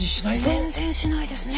全然しないですね。